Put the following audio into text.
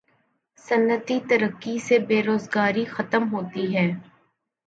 صنعتی ترقی سے بے روزگاری ختم ہوتی ہے